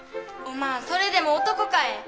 おまんそれでも男かえ。